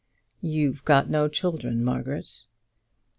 "You've got no children, Margaret."